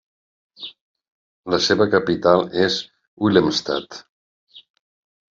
La seva capital és Willemstad.